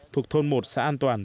thuộc thôn một xã an toàn